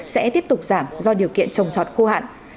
sẽ tiếp tục giảm do điều kiện trồng trọt khô hạn